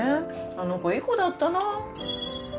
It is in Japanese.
あの子いい子だったな。